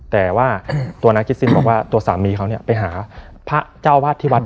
แต่ว่าตัวนางคิดซินบอกว่าตัวสามีเขาเนี่ยไปหาพระเจ้าวาดที่วัด